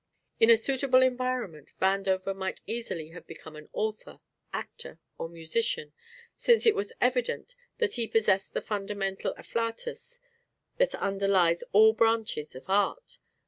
In a suitable environment Vandover might easily have become an author, actor or musician, since it was evident that he possessed the fundamental afflatus that underlies all branches of art.